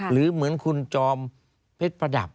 หรือเหมือนคุณจอมเพชรประดับ